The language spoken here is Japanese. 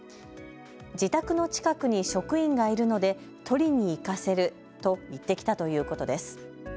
自宅の近くに職員がいるので取りに行かせると言ってきたということです。